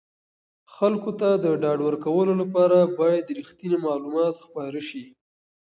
خلکو ته د ډاډ ورکولو لپاره باید رښتیني معلومات خپاره شي.